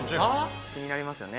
気になりますよね。